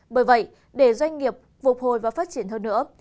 bởi vậy để doanh nghiệp phục hồi và phát triển hơn nữa